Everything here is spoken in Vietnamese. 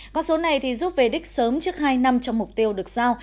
con số này giúp về đích sớm trước hai năm trong mục tiêu được giao